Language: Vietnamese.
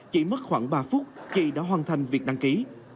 chỉ mất khoảng ba phút chị đã hoàn thành việc đăng ký